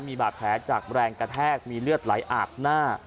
มีบาดแผลจากแรงกระแทกมีเลือดไหลอาบหน้า